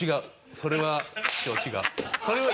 それは師匠違う。